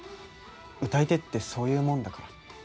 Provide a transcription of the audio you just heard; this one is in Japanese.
歌い手ってそういうもんだから。